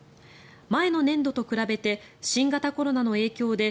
前の年度と比べて新型コロナの影響で